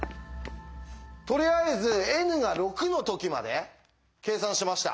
とりあえずｎが６の時まで計算しました。